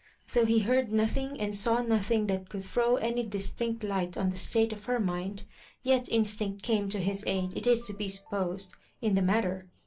Though he heard nothing, and saw nothing, that could throw any distinct light on the state of her mind, yet instinct came to his aid, it is to be supposed, in the matter.